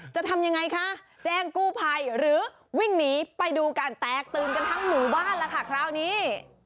จะทำยังไงคะแจ้งกู้ภัยหรือวิ่งหนีไปดูกันแตกตื่นกันทั้งหมู่บ้านล่ะค่ะคราวนี้